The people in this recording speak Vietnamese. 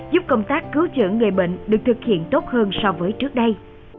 giúp công tác cứu chữa người bệnh được thực hiện tốt hơn so với trước đây